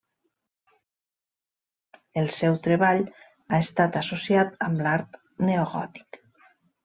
El seu treball ha estat associat amb l'art neogòtic.